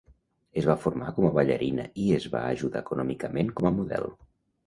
Es va formar com a ballarina i es va ajudar econòmicament com a model.